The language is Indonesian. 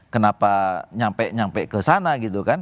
kenapa nyampe nyampe ke sana gitu kan